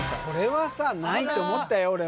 これはさないと思ったよ